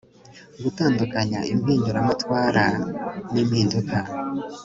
gutandukanya impinduramatwara n'impinduka